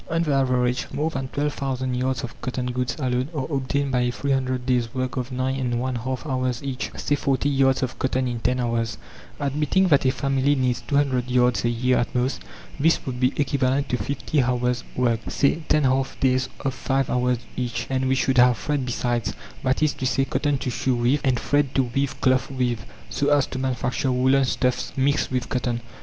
On the average, more than 12,000 yards of cotton goods alone are obtained by a 300 days' work of nine and one half hours each, say 40 yards of cotton in 10 hours. Admitting that a family needs 200 yards a year at most, this would be equivalent to 50 hours' work, say 10 half days of 5 hours each. And we should have thread besides; that is to say, cotton to sew with, and thread to weave cloth with, so as to manufacture woolen stuffs mixed with cotton.